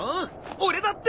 俺だって！